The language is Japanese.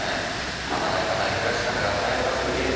働き方や暮らし方が多様化する現代。